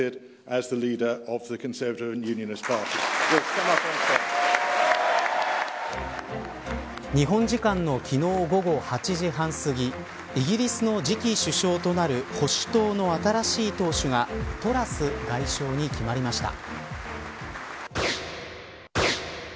日本時間の昨日午後８時半すぎイギリスの次期首相となる保守党の新しい党首がトラス外相に決まりました。